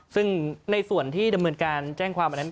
ซึ่งในส่วนที่ดำเนินการแจ้งความอันนั้น